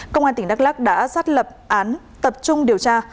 công an tỉnh đắk lắc đã xác lập án tập trung điều tra